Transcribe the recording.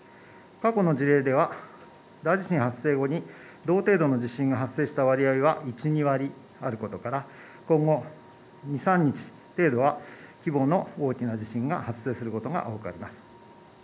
過去の事例では、大地震発生後に同程度の地震が発生した割合は１、２割あることから、今後２、３日程度は、規模の大きな地震が発生することが多くあります。